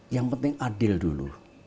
yang penting adil dulu